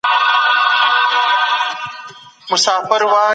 استازي به د اوږدې مودې لپاره د دولتي بانکونو د پياوړتيا لټه کوي.